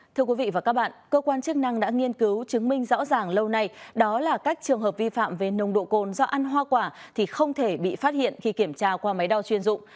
thưa quý vị và các bạn cơ quan chức năng đã nghiên cứu chứng minh rõ ràng lâu nay đó là các trường hợp vi phạm về nồng độ cồn do ăn hoa quả thì không thể bị phát hiện khi kiểm tra qua máy đo chuyên dụng